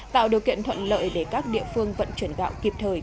tạo điều kiện thuận lợi để các địa phương vận chuyển gạo kịp thời